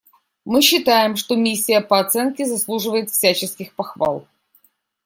Мы считаем, что миссия по оценке заслуживает всяческих похвал.